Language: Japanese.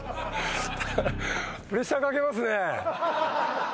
プレッシャーかけますね。